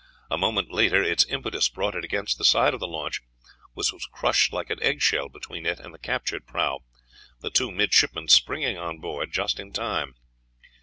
A moment later its impetus brought it against the side of the launch, which was crushed like an eggshell between it and the captured prahu, the two midshipmen springing on board just in time.